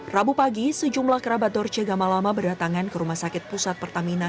rabu pagi sejumlah kerabat dorce gamalama berdatangan ke rumah sakit pusat pertamina